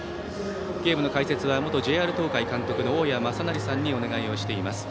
ゲームの解説は元ＪＲ東海監督の大矢正成さんにお願いしています。